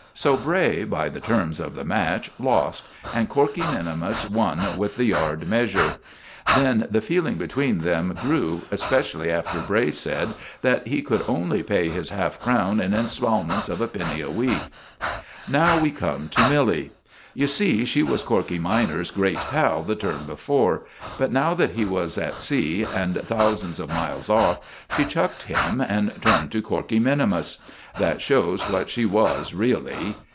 So Bray, by the terms of the match, lost, and Corkey minimus won with the yard measure. Then the feeling between them grew, especially after Bray said that he could only pay his half crown in instalments of a penny a week. Now we come to Milly. You see she was Corkey minor's great pal the term before, but now that he was at sea, and thousands of miles off, she chucked him and turned to Corkey minimus. That shows what she was really.